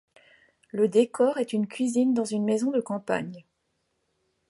Le décor est une cuisine dans une maison de campagne.